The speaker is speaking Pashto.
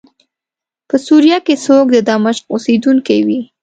په سوریه کې څوک د دمشق اوسېدونکی وي.